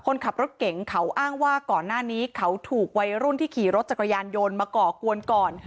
คนขับรถเก่งเขาอ้างว่าก่อนหน้านี้เขาถูกวัยรุ่นที่ขี่รถจักรยานยนต์มาก่อกวนก่อน